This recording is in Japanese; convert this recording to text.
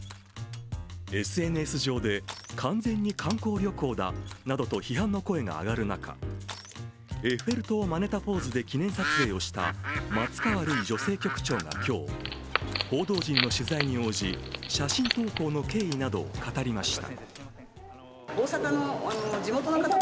ＳＮＳ上で、完全に観光旅行だなどと批判の声が上がる中、エッフェル塔をまねたポーズで記念撮影をした松川るい女性局長が今日、報道陣の取材に応じ、写真投稿の経緯などを語りました。